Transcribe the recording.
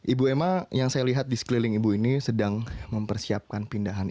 ibu emma yang saya lihat di sekeliling ibu ini sedang mempersiapkan pindahan